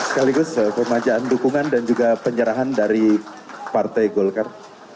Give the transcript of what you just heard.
sekaligus pemajaan dukungan dan juga penyerahan dari partai golkar